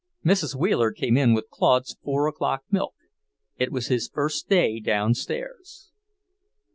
Mrs. Wheeler came in with Claude's four o'clock milk; it was his first day downstairs.